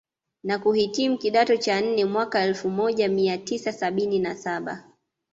na kuhitimu kidato cha nne mwaka Elfu moja mia tisa sabini na saba